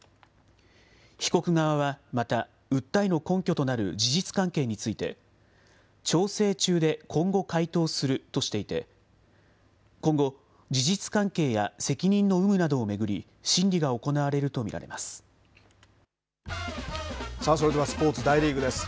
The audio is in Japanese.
被告側はまた、訴えの根拠となる事実関係について、調整中で今後回答するとしていて、今後、事実関係や責任の有無などを巡り、さあ、それではスポーツ、大リーグです。